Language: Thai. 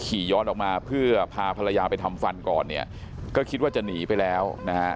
ขี่ย้อนออกมาเพื่อพาภรรยาไปทำฟันก่อนเนี่ยก็คิดว่าจะหนีไปแล้วนะฮะ